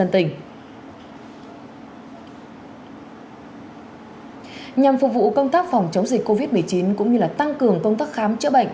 nhằm phục vụ công tác phòng chống dịch covid một mươi chín cũng như tăng cường công tác khám chữa bệnh